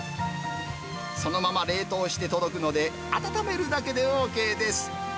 そのまま冷凍して届くので、温めるだけでＯＫです。